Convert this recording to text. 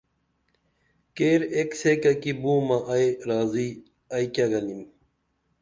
کیر ایک سیکہ کی بُومہ ائی رازی ائی کیہ گنِم